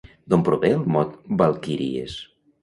D'on prové el mot valquíries?